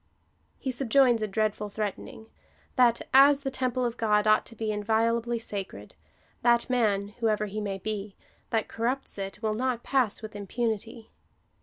He subjoins a dreadful threatening — that, as the tem, ple of God ought to be inviolably sacred, that man, whoever he may be, that coiTupts it, will not pass with impunity.